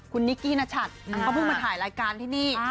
คุณนิกกี้นชัดเขาเพิ่งมาถ่ายรายการที่นี่